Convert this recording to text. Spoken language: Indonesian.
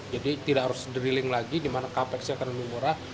jadi tidak harus drilling lagi di mana kapasitasnya akan lebih murah